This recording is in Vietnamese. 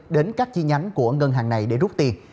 đến các chi nhánh của ngân hàng này để rút tiền